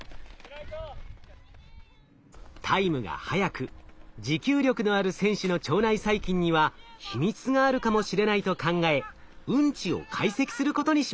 タイムが速く持久力のある選手の腸内細菌には秘密があるかもしれないと考えうんちを解析することにしました。